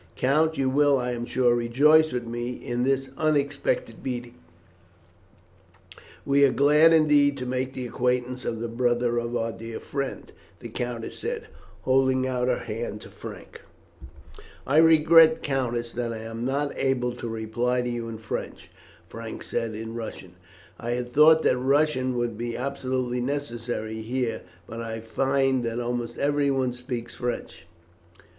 Count, you will, I am sure, rejoice with me, in this unexpected meeting." "We are glad, indeed, to make the acquaintance of the brother of our dear friend," the countess said, holding out her hand to Frank. [Illustration: JULIAN INTRODUCES STEPHANIE TO HIS BROTHER FRANK.] "I regret, countess, that I am not able to reply to you in French," Frank said in Russian. "I had thought that Russian would be absolutely necessary here, but I find that almost everyone speaks French.